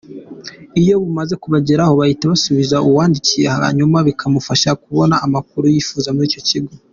Iyo bumaze kubageraho bahita basubiza uwabandikiye, hanyuma bikamufasha kubona amakuru yifuza muri icyo kigo.